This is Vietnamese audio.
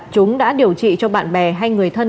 chúng đã điều trị cho bạn bè hay người thân